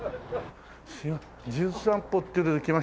『じゅん散歩』っていうので来ました。